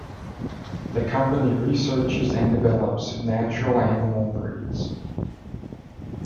The company researches and develops natural animal breeds.